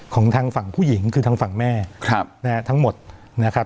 ของทางฝั่งผู้หญิงคือทางฝั่งแม่ทั้งหมดนะครับ